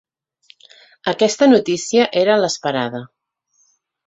Aquesta notícia era l’esperada.